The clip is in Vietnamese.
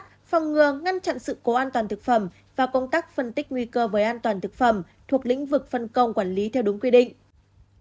phòng ngừa ngăn chặn sự cố an toàn thực phẩm và công tác phân tích nguy cơ với an toàn thực phẩm thuộc lĩnh vực phân công quản lý theo đúng quy định